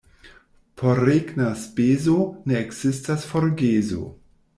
Por regna speso ne ekzistas forgeso.